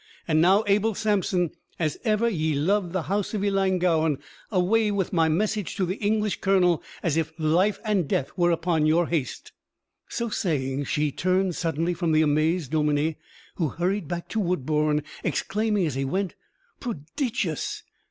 And now, Abel Sampson, as ever ye loved the house of Ellangowan, away with my message to the English colonel as if life and death were upon your haste." So saying, she turned suddenly from the amazed dominie, who hurried back to Woodbourne, exclaiming as he went, "Prodigious!